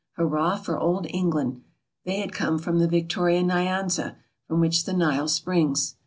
Hurrah for old England ! they had come from the Victoria Nyanza, from which the Nile springs.